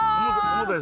重たい！